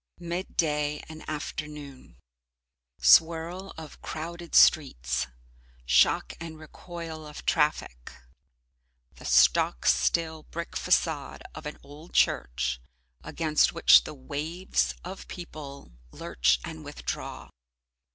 Midday and Afternoon Swirl of crowded streets. Shock and recoil of traffic. The stock still brick facade of an old church, against which the waves of people lurch and withdraw.